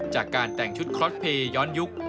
จากการแต่งชุดคลอสเพย์ย้อนยุค